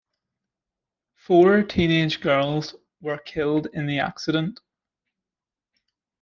Four teenage girls were killed in the accident.